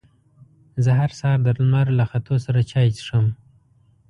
زه هر سهار د لمر له ختو سره چای څښم.